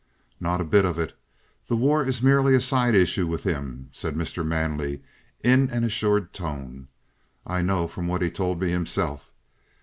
"Not a bit of it. The war is merely a side issue with him," said Mr. Manley in an assured tone. "I know from what he told me himself.